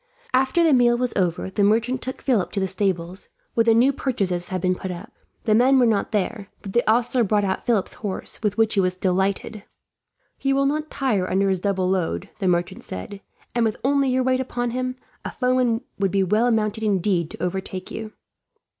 After the meal was over, the merchant took Philip to the stables, where the new purchases had been put up. The men were not there, but the ostler brought out Philip's horse, with which he was delighted. "He will not tire under his double load," the merchant said; "and with only your weight upon him, a foeman would be well mounted, indeed, to overtake you."